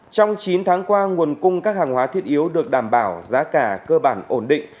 trong chín tháng qua nguồn cung các hàng hóa thiết yếu được đảm bảo giá cả cơ bản ổn định